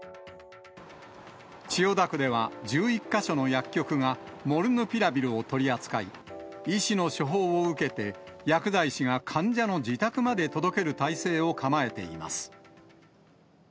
千代田区では１１か所の薬局がモルヌピラビルを取り扱い、医師の処方を受けて、薬剤師が患者の自宅まで届ける体制を構えています。